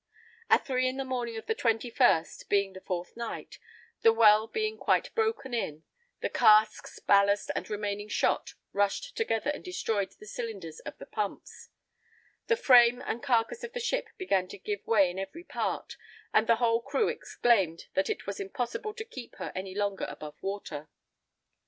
At three in the morning of the 21st, being the fourth night, the well being quite broken in, the casks, ballast and remaining shot, rushed together and destroyed the cylinders of the pumps; the frame and carcase of the ship began to give way in every part, and the whole crew exclaimed that it was impossible to keep her any longer above water.